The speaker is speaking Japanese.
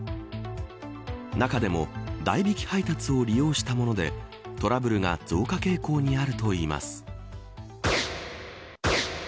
中でも、代引き配達を利用したものでトラブルが増加傾向にあるといいます。